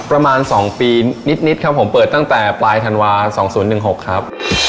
ประมาณ๒ปีนิดครับผมเปิดตั้งแต่ปลายธันวา๒๐๑๖ครับ